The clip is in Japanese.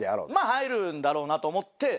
入るんだろうなと思って。